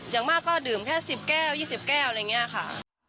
อย่างมากก็ดื่มแค่สิบแก้วยี่สิบแก้วอะไรอย่างเงี้ยค่ะ